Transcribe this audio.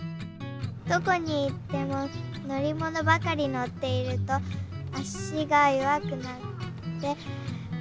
どこにいってものりものばかりのっているとあしがよわくなってたいりょくがなくなっちゃう。